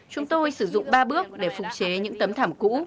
chúng tôi sử dụng ba bước để phục chế những tấm thảm cũ